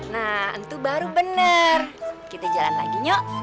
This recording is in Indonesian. nah itu baru bener kita jalan lagi nyok